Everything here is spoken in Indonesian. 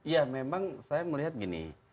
ya memang saya melihat gini